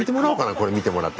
これ見てもらって。